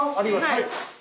はい。